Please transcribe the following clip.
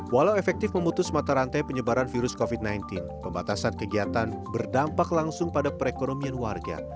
walau efektif memutus mata rantai penyebaran virus covid sembilan belas pembatasan kegiatan berdampak langsung pada perekonomian warga